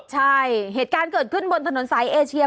ใช่เหตุการณ์เกิดขึ้นบนถนนสายเอเชีย